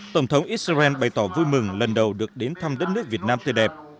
tổng thống israel bày tỏ vui mừng lần đầu được đến thăm đất nước việt nam tươi đẹp